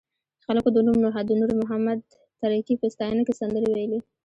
خلکو د نور محمد تره کي په ستاینه کې سندرې ویلې.